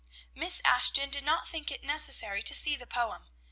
Miss Ashton did not think it necessary to see the poem.